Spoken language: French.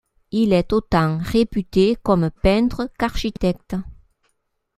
Il est autant réputé comme peintre qu'architecte.